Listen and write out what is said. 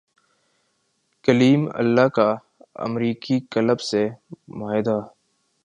کلیم اللہ کا امریکی کلب سے معاہدہ